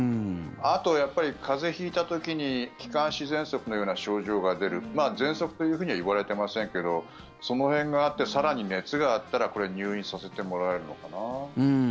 あと風邪引いた時に気管支ぜんそくのような症状が出るぜんそくというふうには言われてませんけどその辺があって更に熱があったら入院させてもらえるのかな。